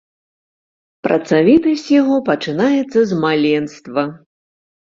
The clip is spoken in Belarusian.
Працавітасць яго пачынаецца з маленства.